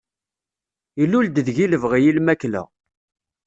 Illul-d deg-i lebɣi i lmakla.